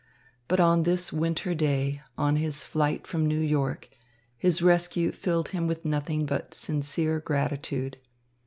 But on this winter day, on his flight from New York, his rescue filled him with nothing but sincere gratitude.